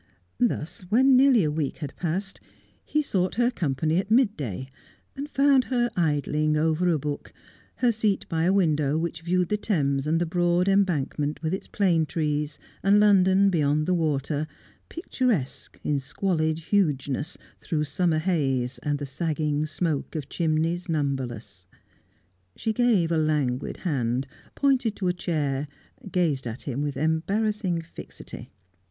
Thus, when nearly a week had passed, he sought her company at midday, and found her idling over a book, her seat by a window which viewed the Thames and the broad Embankment with its plane trees, and London beyond the water, picturesque in squalid hugeness through summer haze and the sagging smoke of chimneys numberless. She gave a languid hand, pointed to a chair, gazed at him with embarrassing fixity.